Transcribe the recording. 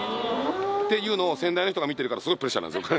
っていうのを仙台の人が見てるからすごくプレッシャーなんですよ。